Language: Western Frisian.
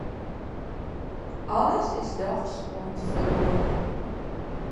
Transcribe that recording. Alles is dochs oan it feroarjen.